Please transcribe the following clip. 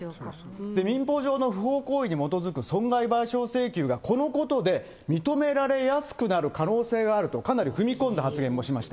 民法上の不法行為に基づく損害賠償請求がこのことで、認められやすくなるという可能性があるとかなり踏み込んだ発言もしました。